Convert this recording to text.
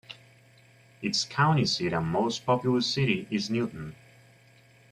Its county seat and most populous city is Newton.